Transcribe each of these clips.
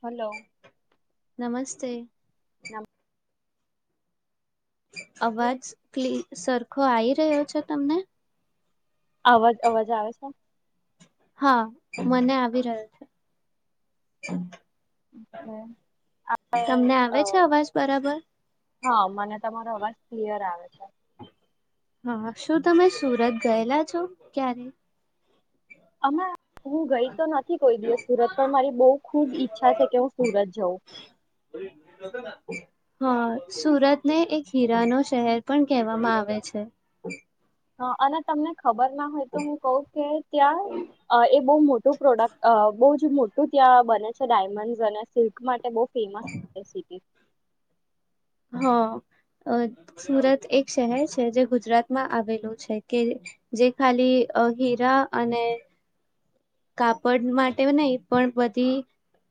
Hello નમસ્તે નમ આવાજ ક્લી સરખો આઈ રહ્યો છે તમને. અવાજ અવાજ આવે છે? હા મને આવી રહ્યો છે. તમને આપણે આવે છે અવાજ બરાબર અ હ મને તમારો અવાજ ક્લિયર આવે છે. હા શું તમે સુરત ગયેલા છો ક્યારે અમે હું ગઈ તો નથી કોઈ દિવસ સુરત પણ મારી બહુ ખુબ ઈચ્છા છે કે હું સુરત જઉં હા સુરતને એક હીરા ન શહેર પણ કહેવામાં આવે છે. હ અને તમને ખબર ના હોય તો હું કઉ કે ત્યાં અ એ બહુ મોટું પ્રોડક્ટ બ મોટું ત્યાં બને છે ડાયમંડ અને સિલ્ક માટે બહુ. ફેમસિટી. હ સુરત એક શહેર છે જે ગુજરાતમાં આવેલું છે કે જે ખાલી હીરા અને કાપડ માટે નહી પણ બધી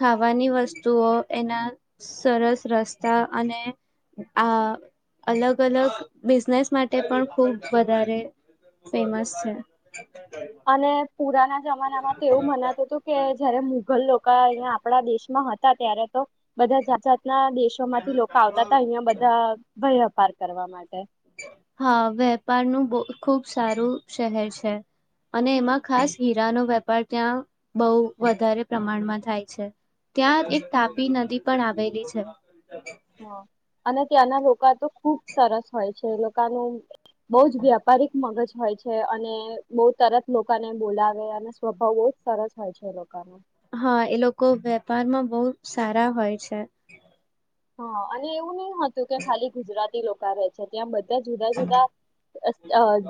ખાવાની વસ્તુઓ એના સરસ રસ્તા અને આ અલગ અલગ બિઝનેસ માટે પણ ખૂબ વધારે ફેમસ છે. અને. પુરાના જમાના માં તો એવું મનાતું હતું કે જયારે મુઘલ લોકો. અંયા આપણા દેશમાં હતા ત્યારે તો બધા જાત. ના દેશો માંથી લોકો આવતા હતા અહિયાં બધા ભયપાર. કરવા માટે. હા વેપારનું બ ખુબ સારું શહેર છે અને એમાં ખાસ હીરાનોો વેપાર ત્યાં બહુ વધારે પ્રમાણમાં થાય છે. ત્યાં એક હા તાપી નદી પણ આવેલી છે. હા અને ત્યાંના તો ખુબ સરસ હોય છે એ લોકોનું. બહુ જ વ્યાપારિક મગજ. હોય છે અને બહુ તરત લોકોને બોલાવે અને સ્વભાવ બહુ જ સરસ હોય છે એ લોકોનો. હા એ લોકો વેપારમાં બહુ સારા હોય છે હા અને એવું નહી. હતું કે ખાલી ગુજરાતી લોકો. છે ત્યાં બધા. જુદા જુદા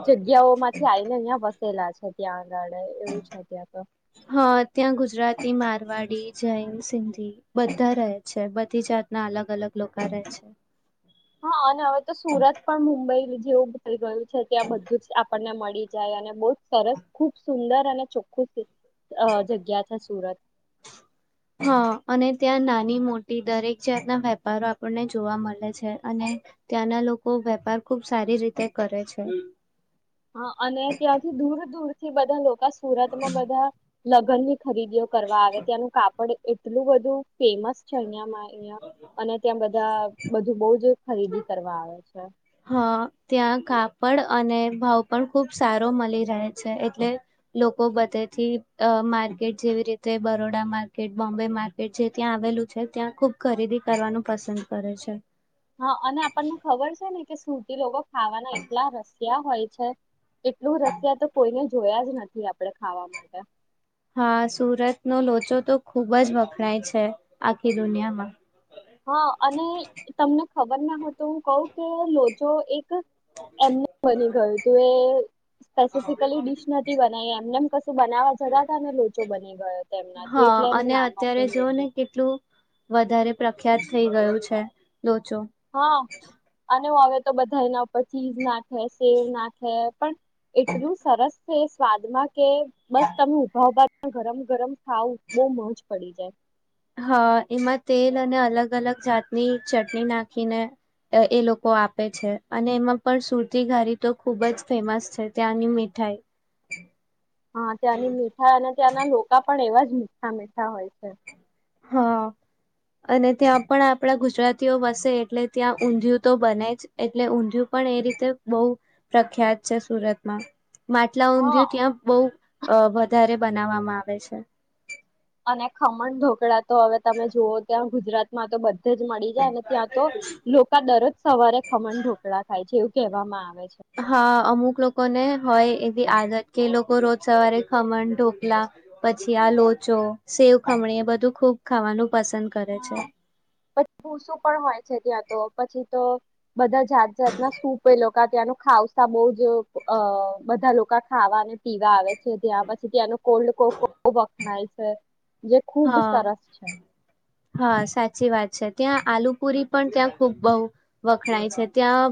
જગ્યાઓ માંથી આવીઈને અહિયાં વ. ેલા છે ત્યાં. આગળ એવું છે ત્યાં તો હા ત્યાં ગુજરાતી મારવાડી. જૈન સિંધી બધા રહે છે બધી જાતના અલગ અલગ લોકો રહે છે. હા અને હવે તો સુરત પણ મુંબઈ લીધી. જેવુંારી ગયો. છે ત્યાં બધું જ આપણને મળે. જાય અને બહ જ સરસ ખુબ સુંદર અને ચોખ્ખું. જગ્યા છે સુરત હા અને ત્યાં ના. નાની મોટી દરેક જાતના વેપારો આપણને જોવા મળે છે અને ત્યાંના લોકો વેપાર ખુબ સારી રીતે કરે છે. હા અને ત્યાંથી દૂર દૂર. ી વધણ લોો. આ સુરતમાં બધા. લગ્ન ની. ખરીદીઓ કરવા આવે ત્યાંનું કાપડ. એટલું બધું ફેમસ છે અહિયાં અહ અને ત્યાં બધા બધું બહ જ ખરીદી કરવા આવે છે. હા ત્યાં કાપડ અને ભાવ પણ ખુબ સારો મળી રહે છે એટલે લોકો બધે થી માર્કેટ જેવી રીતે બરોડા માર્કેટ બોમ્બે માર્કેટ જે ત્યાં આવેલું છે ત્યાં ખૂબ ખરીદી કરવાનું પસંદ કરે છે. હા અને આપણને ખબર છે ને. સ સુતી લોકો. ખાવાના એટલા રસ ક્યાં હોય છે. એટલું રસિયા તો કોઈને જ. જોયા જ નથી આપડે ખાવા માટે હા સુરતનો લોચો તો ખુબ જ વખણાય છે આખી દુનિયામાં. હા અને તમને ખબર ના હો તો હું કઉ કે લોચો એક એમને બની ગયું તું એ સ્પેસફિકલી ડિશ નથી બનાવી એમનેમ કશું બનાવા જતા ત ને લોચો બની ગયો એનાથી હા એટલે એનું અને નામ અત્યારે હતું જો લોચો. ને કેટલું વધારે પ્રખ્યાત થઈ ગયું છે. લોચો. હા અને હ હવે. તો બધા એના ઉપર ચીઝ નાખે સેવ નાખે પણ એટલું સરસ તે સ્વાદમાં કે બસ તમે ઉભાઉભા ગરમ ગરમ ખાવ બહુ મજ પડી જાય. હા એમાં તેલ અને અલગ અલગ જાતની ચટણી નાખીને એ લોકો આપે છે અને એમાં પણ સુરતી ઘારી તો ખૂબ જ ફેમસ છે ત્યાંની મીઠાઈ હા ત્યાંની મીઠાઈ અને ત્યાંના લોકા પણ એવા જ મીઠા મીઠા હોય છે. હા અને ત્યાં પણ આપણા ગુજરાતીઓ વસે એટલે ત્યાં ઊંધિયું તો બને જ એટલે ઊંધિયું પણ એ રીતે બહુ પ્રખ્યાત છે સુરતમાં. માટલા હા ઊંધિયું ત્યાં બહુ અ વધારે બનાવવામાં આવે છે. અને ખમણ ઢોકળા તો હવે તમે જુઓ ત્યાં ગુજરાતમાં તો બધ જ મળી જાય અને ત્યાં તો લોકો દરરોજ સવારે ખમણ ઢોકળા થાય છે એવું. કહેવામાં આવે. છે હા અમુક લોકો ને હોય આદત કે લોકો રોજ સવારે ખમણ ઢોકલા પછી આ લોચો સેવ ખમણી એ બધું ખુબ ખાવાનું પસંદ કરે છે હા પછી ભૂસું પણ હોય છે ત્યાં તો. પછી તો બધા જાત જાતના સૂપ એ લોકો ત્યાંનું ખઉસા બહ જ અ બધા લોકો ખાવા અને પીવા આવે છે ત્યાં પછી ત્યાંનો કોલ્ડ કોકો ખુબ વખણાય છે. જે ખૂબ હા સરસ છે. હા સાચી વાત છે ત્યાં આલુ પુરી પણ ત્યાં ખૂબ બહુ વખણાય છે ત્યાં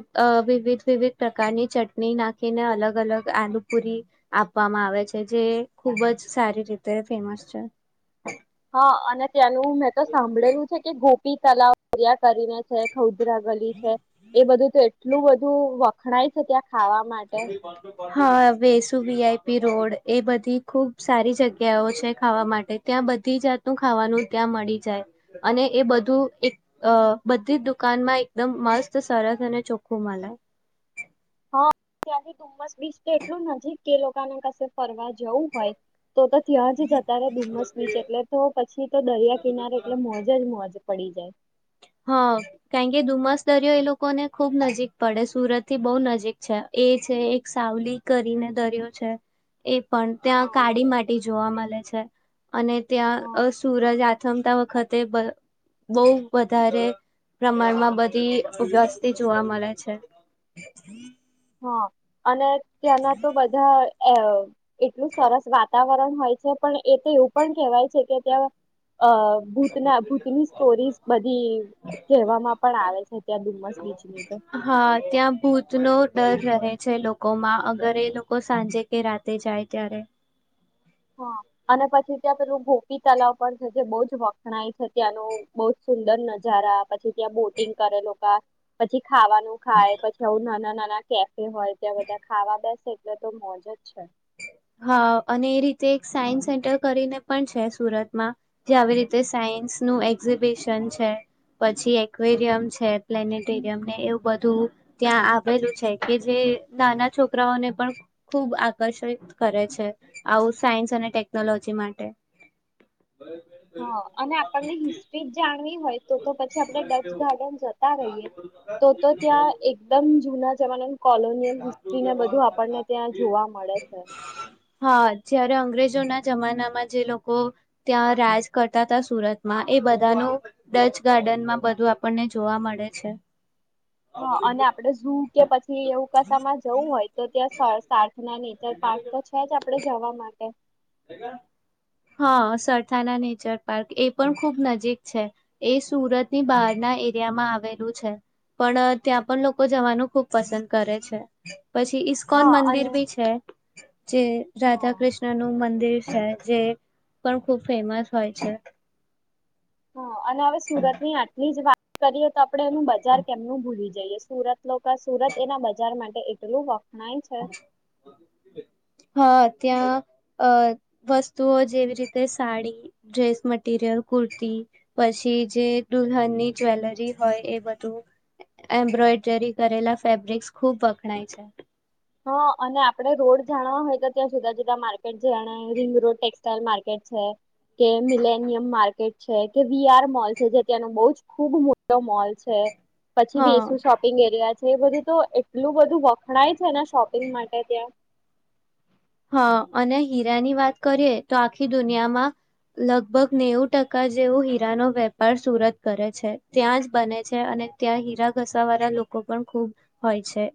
વિવિધ વિવિધ પ્રકારની ચટણી નાખીને અલગ અલગ આલુ પુરી આપવામાં આવે છે જે ખૂબ જ સારી રીતે ફેમસ છે. હ અને ત્યાંનું મેં તો સાંભળેલું છે કે પી તલાિયાત. કરીને છે ખદરા ગલી છે એ બધું તો એટલું બધું. ખણાય છે ત્યા. ખાવા માટે. હા વેસુ વીઆઈપી રોડ એ બધી ખુબ સારી જગ્યાઓ છે ખાવા માટે ત્યાં બધી જાતનું ખાવાનું ત્યાં મળી જાય અને એ બધું એક બધી જ દુકાનમાં એકદમ મસ્ત સરસ અને ચોખ્ખું મળય. હા ત્યાંથી ડુમસ બીચ તો એટલું નજીક કે લોકોને કશે ફરવા જ. જવું હોય, તો તો ત્યાં જ જતા ર ધુમસ બીચ એટલે તો પછી તો દરિયા કિનારે એટલે મોજ જ મોજ પડી. [unintelligible] હા કારણ કે ધુમ્મસ દરિયો એ લોકોને ખુબ નજીક પડે સુરત થી બહુ નજીક છે એ છે એક સાવલી કરીને દરિયો છે. એ પણ ત્યાં હા. કાળી માટેટી જોવા મળે છે. અને હા ત્યાં સૂરજ આથમતા વખત. તે બ બહ બ. વધારે પ્રમાણમાં બધી વસ્તી જોવા મળે છે. હા. અને ત્યાંના તો બધા. અ એટલું સરસ વાતાવરણ હોય છે પણ એ તો એવું પણ કેહેવાય છે કે ત્યાં અ ભૂતના ભૂતની સ્ટોરીઝ બધી કહેવામાં પણ આવે છે ત્યાં ડુમસ બીચની તો. હા ત્યાં ભૂતનો ડર રહે છે લોકોમાં અગર એ લોકો સાંજે કે રાતે જાય ત્યારે. હા અને પછી ત્યાં પેલું ગોપી તલાવ પણ છે જે બહ જ વખણાય છે ત્યાંનું બહ જ સુંદર નજારા પછી ત્યાં બોટિંગ કરેલ પછી. ખાવાનું ખાય પછી હું નાના નાના. કેફે હોય ત્યાં બધા ખાવા બેસે એટલે તો મોજ જ છે. હા અને એ રીતે એક સાયન્સ સેન્ટર કરીને પણ છે સુરતમાં જે આવી રીતે સાયન્સ નું એક્ઝિબિશન છે પછી એકવેરિયમ છે પ્લેનેટેોરિયમ ને એવું બધું ત્યાં આવેલું છે કે જે નાના છોકરાઓને પણ ખૂબ આકર્ષિત. કરે છે આવું સાયન્સ અને ટેકનોલોજી માટે. હા અને આપણને હિસ્ટ્રી જ જાણવી હોય. તો તો પછી આપણે ડચ ગાર્ડન જતા રહીએ તો તો ત્યાં એકદમ જૂના જવા. કોલોનિયલ હિસ્ટ્રીને બધું આપણને ત્યાં જોવા મળે છે. હા જ્યારે અંગ્રેજોના જમાનામાં જે લોકો ત્યાં રાજ કરતા હતા સુરતમાં એ બધાનું ડચ ગાર્ડનમાં બધું આપણને જોવા મળે છે. હા અને આપડે જું કે પછી એવું. ચોકાસામાં જવું હોય તો ત્યાં. અત્યારે પાારક તો છે જ આપડણે જવા માટેમાં. [inaudible] હા સરથાણા નેચર પાર્ક એ પણ ખુબ નજીક છે એ સુરતની બહારના એરિયામાં આવેલું છે પણ ત્યાં પણ લોકો જવાનું ખુબ પસંદ કરે છે. પછી ઈસ્કોન હા મંદિર અને બી છે. જે હા રાધા કૃષ્ણ નું મંદ છે એ પણ ખુબ ફેમસ હોય છે. હા અને હવે સુરતની આટલી જ વાત કરીએ તો આપણે એનું બજાર કેમનું ભૂલી જઈએ. સુરત સુરત એના બજાર મા ટે એટલું વા નાહી છે. હા ત્યાં અ વસ્તુઓ જેવી રીતે સાડી, ડ્રેસ મટીરિયલ, કુર્તી પછી જે દુલ્હનની જ્વેલરી હોય એ બધું એમ્બ્રોઈડરી કરેલા ફેબ્રિક્સ ખૂબ વખણાય છે. હા! અને આપણે રોડ જાણવા હોય તો, ત્યાં જુદા જુદા માર્કેટ છેણે રિંગ રોડ ટેક્સટાઈલ માર્કેટ છે. કે મિલેનિયમ માર્કેટ છે કે વીઆર મોલ છે. જે ત્યાંનું બહું જ ખુબ મોટો મોલ છે. પછી બી હા શું શોપિંગ એરિયા એ બધું તો એટલું બધું વખણાય છે ને શોપિંગ માટે ત્યાં. હા અને હીરાની વાત કરીએ તો આખી દુનિયામાં લગભગ નેવું ટકા જેવો હીરાનો વેપાર સુરત કરે છે. ત્યાં જ બને છે અને ત્યાં હીરા ઘસા વાળા લોકો પણ ખૂબ હોય છે.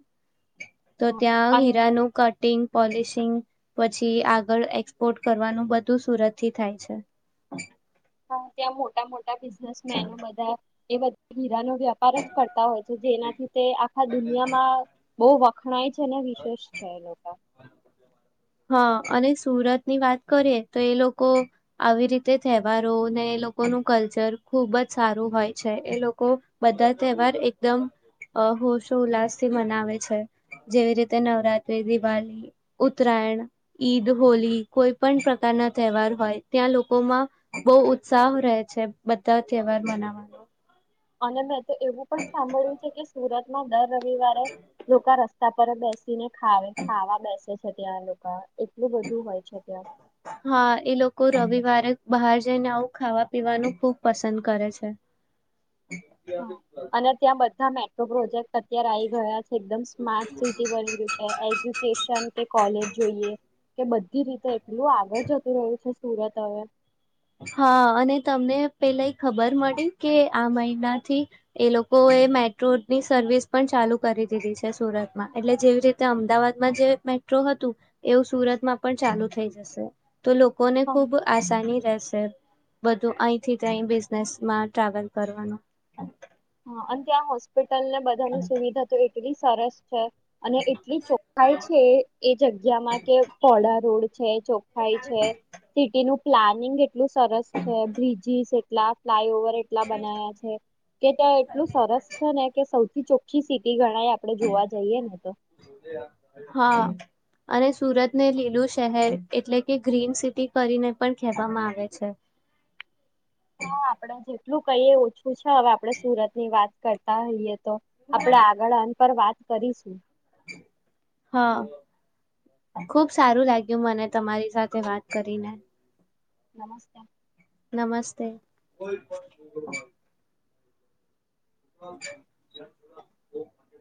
તો ત્યાં અને હીરાનું કટિંગ પોલીશિંગ પછી આગળ એક્સપોર્ટ કરવાનું બધું સુરત થી થાય છે. હા ત્યાં મોટા મોટા બિનેસમેનો બધા એ બધાં હીરાનું વેપાર જ કરતા હોય છે. જેનાથી તે આખા દુનિયામાં બહુ વ ઘણાય છે ને વિશેષ છે એ લોકા. હા અને સુરત ની વાત કરીએ તો, એ લોકો આવી રીતે તહેવારો ને એ લોકોનું કલ્ચર ખુબ જ સારું હોય છે. એ લોકો બધા તહેવાર એકદમ હોશો ઉલ્લાસ થી મનાવે છે. જેવી રીતે નવરાત્રી, દિવાળી, ઉત્ત ઉત્તરાયણ, ઈદ, હોલી કોઈ પણ પ્રકારના તહેવાર હોય. ત્યાં લોકોમાં બવ ઉત્સાહ રહે છે બધા તહેવાર મનાવાનો. અન મે તો એવું પણ સાંભળ્યું છે કે, સુરત ના ડર રવિવારે લોકા રસ્તા તાપર જ બેસ તે નૈ ખાવે ખાવા બેસે છે. છે ત્યાં લોકા એટલું બધું હોય [unintelligible] હા એ લોકો રવિવારે ને બહાર જઈને આવું ખાવા પીવાનું ખુબ પસંદ કરે છે. હઅ અને ત્યાં બધા મે. તો પ્રોજેક્ટ અત્યારે આવી ગયા છે એકદમ સ્માર્ટ સિટી બની ગયું છે, એજ્યુકેશન કે કોલેજ જોઈએ. કે બધી રીતે પેલું આગળ જતું રહ્યું છે. સુરત આવે હા અને તમને પેલા એ ખબર મળી કે આ મહિના થી એ લોકોએ મેટ્રોની સર્વિસ પણ ચાલુ કરી દીધી છે સુરતમાં એટલે જેવી રીતે અમદાવાદમાં જે મેટ્રો હતું એવું સુરતમાં પણ ચાલુ થઈ જશે. તો લોકોને હા ખુબ આસાની જશે બધું અહીથી કઈ બિઝનેસ માં ટ્રાવેલ કરવાનું. હા અને ત્યાં [unintelligible] બધાની સુવિધા કરી. [unintelligible] સરસ છે અને એટલી ચોખાઈ છે એ જગ્યામાં કે પોડા રોડ. ચોખાઈ છે સિટી ન. પ્લાનિંગ એટલું સરસ છે બ્રિજીસ એટલા. ફ્લાય ઓવર એટલા બના્યા છે. કે ત્યાં એટલું સરસ છે ને કે સૌ કી ચોખી સીટી ગણ હા અને સુરત ને લીલું શહેર એટલે કે ગ્રીન સિટી કરીને પણ કહેવામાં આવે છે. હા આપડે જેટલું કઈએ ઓછું છે હવે આપડણે સુરત ની વાત કરતા હોઈયએ તો આપડે આગળ અન પર વાત કરીશું. હા ખુબ સારું લાગ્યું મને તમારી સાથે વાત કરીને. નમસ્તે. નમસ્તે. [inaudible]